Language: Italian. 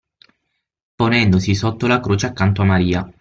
Ponendosi sotto la croce accanto a Maria.